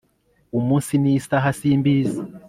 umunsi n'isaha; simbizi